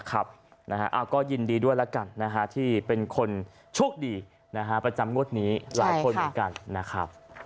ก็ยินดีด้วยแล้วกันที่เป็นคนโชคดีประจำงวดนี้หลายคนเหมือนกันนะครับ